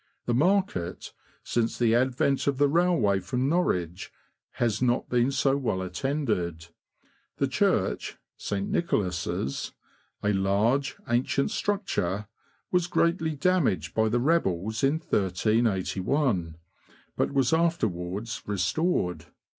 The market, since the advent of the railway from Norwich, has not been so well attended. The church (St. Nicholas'), a large, ancient structure, was greatly damaged by the rebels in 1381, but was afterwards restored.